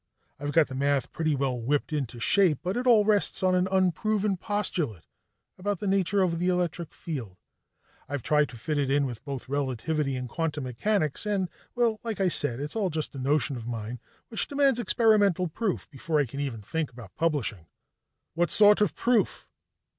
I've got the math pretty well whipped into shape, but it all rests on an unproven postulate about the nature of the electric field. I've tried to fit it in with both relativity and quantum mechanics and well, like I said, it's all just a notion of mine which demands experimental proof before I can even think about publishing." "What sort of proof?"